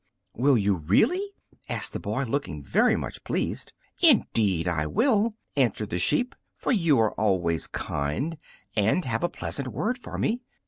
"Will you really?" asked the boy, looking very much pleased. "Indeed I will," answered the sheep, "for you are always kind and have a pleasant word for me.